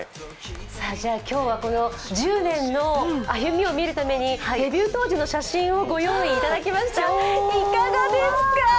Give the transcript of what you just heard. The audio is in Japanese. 今日は１０年の歩みを見るためにデビュー当時の写真をご用意いただきました。